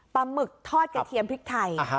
หมึกทอดกระเทียมพริกไทย